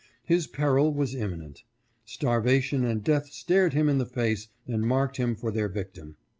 His peril was imminent. Starvation and death stared him in the face and marked him for their victim.